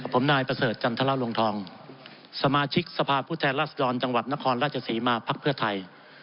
ผมนายประเสริฐจันทรลวงทองสมาชิกสภาพผู้แทนรัศดรจังหวัดนครราชศรีมาภักดิ์เพื่อไทย